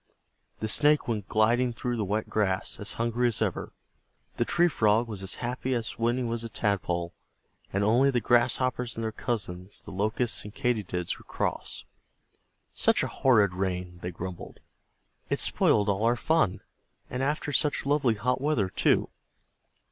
The Snake went gliding through the wet grass, as hungry as ever, the Tree Frog was as happy as when he was a Tadpole, and only the Grasshoppers and their cousins, the Locusts and Katydids, were cross. "Such a horrid rain!" they grumbled, "it spoiled all our fun. And after such lovely hot weather too."